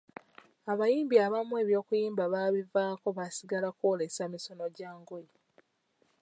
Abayimbi abamu eby’okuyimba baabivaako basigalira kw’oleesa misono gya ngoye.